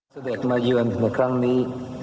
เสด็จมาเยือนในครั้งนี้